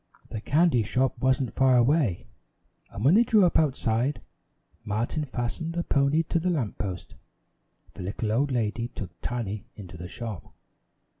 The candy shop wasn't far away and when they drew up outside, Martin fastened the pony to the lamp post. The little old lady took Tiny into the shop.